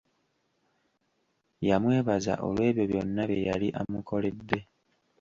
Yamwebaza olw'ebyo byonna bye yali amukoledde.